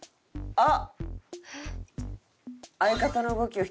「あっ！」